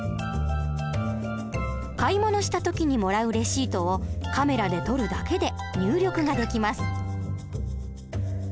買い物した時にもらうレシートをカメラで撮るだけで入力ができます。